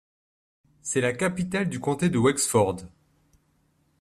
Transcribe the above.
C'est la capitale du comté de Wexford.